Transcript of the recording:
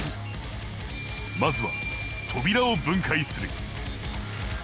まずは扉を分解する！